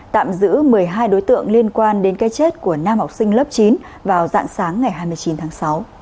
tạm giữ một mươi hai đối tượng liên quan đến cây chết của nam học sinh lớp chín vào dạng sáng ngày hai mươi chín tháng sáu